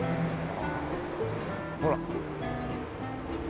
ほら。